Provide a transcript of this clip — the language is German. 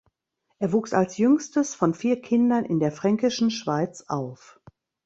Er wuchs als jüngstes von vier Kindern in der Fränkischen Schweiz auf.